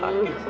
aduh ini kakak